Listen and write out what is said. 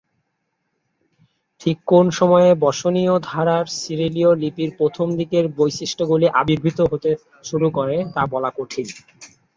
ঠিক কোন সময়ে বসনীয় ধারার সিরিলীয় লিপির প্রথম দিকের বৈশিষ্ট্যগুলি আবির্ভূত হতে শুরু করে তা বলা কঠিন।